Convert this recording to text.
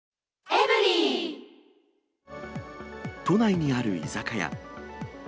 都内にある居酒屋。